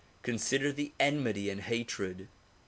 Consider the enmity and hatred.